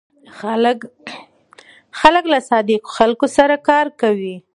خلک له صادقو خلکو سره کار کوي.